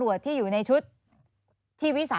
สวัสดีครับ